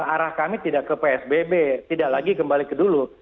arah kami tidak ke psbb tidak lagi kembali ke dulu